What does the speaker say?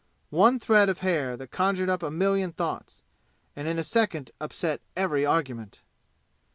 One thread of hair that conjured up a million thoughts, and in a second upset every argument!